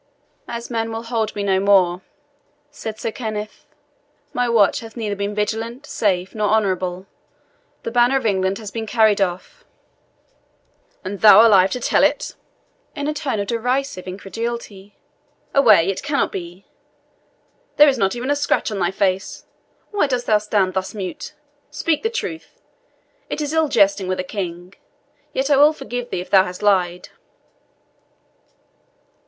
"As men will hold me no more," said Sir Kenneth. "My watch hath neither been vigilant, safe, nor honourable. The Banner of England has been carried off." "And thou alive to tell it!" said Richard, in a tone of derisive incredulity. "Away, it cannot be. There is not even a scratch on thy face. Why dost thou stand thus mute? Speak the truth it is ill jesting with a king; yet I will forgive thee if thou hast lied."